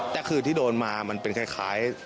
แต่คือที่โดนมามันเป็นคล้าย